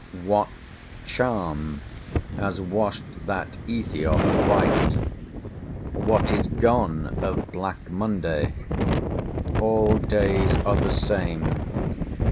What charm has washed that Ethiop white? What is gone of Black Monday? All days are the same.